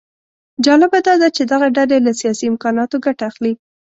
جالبه داده چې دغه ډلې له سیاسي امکاناتو ګټه اخلي